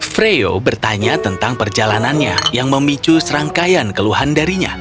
freo bertanya tentang perjalanannya yang memicu serangkaian keluhan darinya